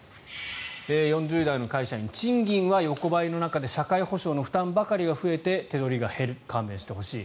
４０代の会社員賃金は横ばいの中で社会保障の負担ばかりが増えて手取りが減る勘弁してほしい。